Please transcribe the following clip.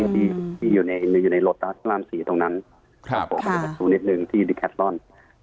ที่อยู่ในรถตร๔ตรงนั้นที่ดิแคทลอน